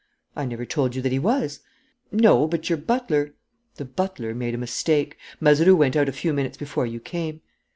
"I never told you that he was." "No, but your butler " "The butler made a mistake. Mazeroux went out a few minutes before you came."